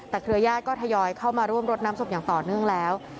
แต่เครือญาติก็ทยอยเข้ามาร่วมรดน้ำศพอย่างต่อเนื่องแล้ว